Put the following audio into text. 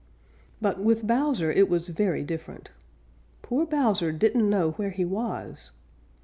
But with Bowser it was very different. Poor Bowser didn't know where he was.